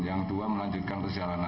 yang dua melanjutkan ke siaran